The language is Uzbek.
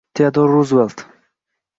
Teodor Ruzvel`t